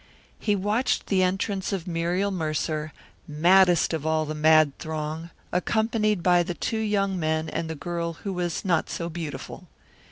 He watched the entrance of Muriel Mercer, maddest of all the mad throng, accompanied by the two young men and the girl who was not so beautiful.